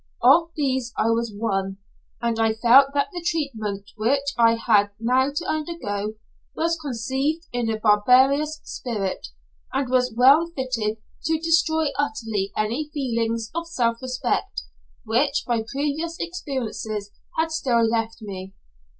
Of these I was one, and I felt that the treatment which I had now to undergo was conceived in a barbarous spirit, and was well fitted to destroy utterly any feelings of self respect which my previous experiences had still left me.